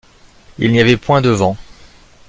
Il n’y avait point de vent.